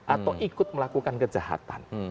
atau ikut melakukan kejahatan